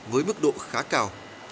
với mức độ khá cao